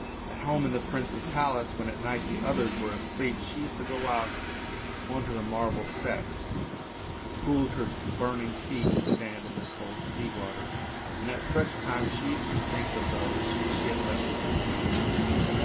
At home in the prince's palace, when at night the others were asleep, she used to go out on to the marble steps; it cooled her burning feet to stand in the cold sea water, and at such times she used to think of those she had left in the deep.